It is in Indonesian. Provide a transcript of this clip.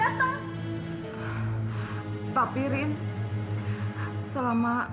ngapain sih ibu kesini